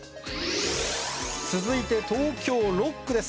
続いて東京６区です。